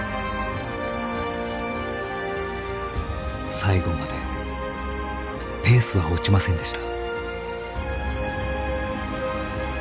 最後までペースは落ちませんでした。